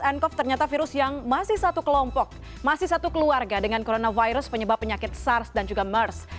ncov ternyata virus yang masih satu kelompok masih satu keluarga dengan coronavirus penyebab penyakit sars dan juga mers